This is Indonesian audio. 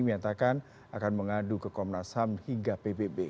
menyatakan akan mengadu ke komnas ham hingga pbb